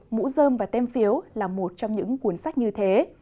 mũ dơm và tem phiếu là một trong những cuốn sách như thế